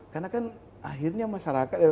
karena kan akhirnya masyarakat